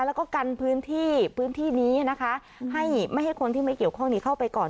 แล้วก็กันพื้นที่พื้นที่นี้นะคะให้ไม่ให้คนที่ไม่เกี่ยวข้องนี้เข้าไปก่อน